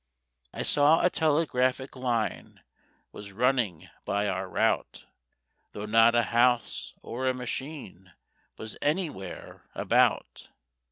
"I saw a telegraphic line Was running by our rout, Though not a house or a machine Was anywhere about.